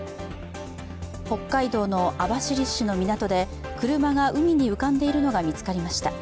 北海道の網走市の港で車が海に浮かんでいるのが見つかりました。